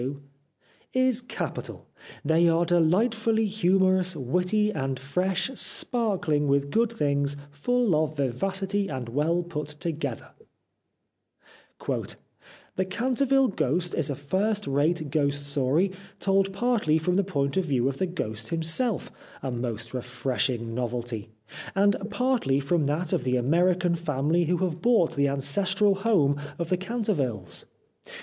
They are 316 The Life of Oscar Wilde delightfully humorous, witty, and fresh, sparkling with good things, full of vivacity and well put together," "' The Canterville Ghost ' is a first rate ghost story, told partly from the point of view of the ghost himself — a most refreshing novelty — and partly from that of the American family who have bought the ancestral home of the Canter villes.